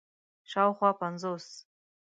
شاوخوا پنځوس